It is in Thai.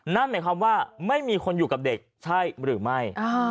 นั่นหมายความว่าไม่มีคนอยู่กับเด็กใช่หรือไม่